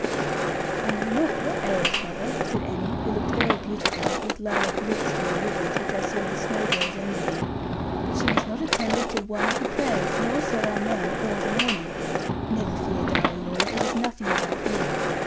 'I know not what ails mother,' said Annie, who looked very beautiful, with lilac lute string ribbons, which I saw the Snowe girls envying; 'but she has not attended to one of the prayers, nor said "Amen," all the morning. Never fear, darling Lorna, it is nothing about you.